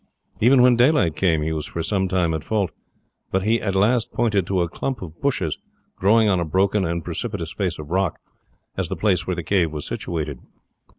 Even when daylight came he was for some time at fault, but he at last pointed to a clump of bushes, growing on a broken and precipitous face of rock, as the place where the cave was situated.